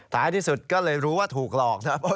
ท้ายที่สุดก็เลยรู้ว่าถูกหลอกครับ